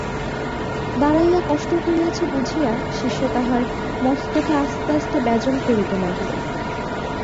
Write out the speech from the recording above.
দাঁড়াইয়া কষ্ট হইয়াছে বুঝিয়া শিষ্য তাঁহার মস্তকে আস্তে আস্তে ব্যজন করিতে লাগিল।